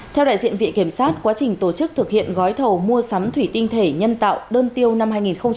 theo đại diện viện kiểm sát quá trình tổ chức thực hiện gói thầu mua sắm thủy tinh thể nhân tạo đơn tiêu năm hai nghìn một mươi tám